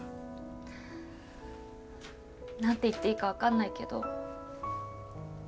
何て言っていいか分かんないけど